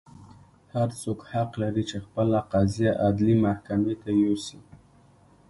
هر څوک حق لري چې خپله قضیه عدلي محکمې ته یوسي.